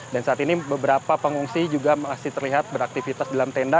dan saat ini beberapa pengungsi juga masih terlihat beraktivitas dalam tenda